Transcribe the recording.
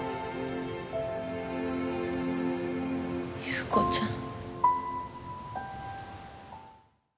侑子ちゃん。